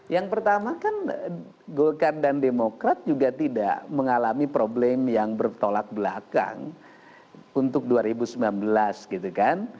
yang pertama kan golkar dan demokrat juga tidak mengalami problem yang bertolak belakang untuk dua ribu sembilan belas gitu kan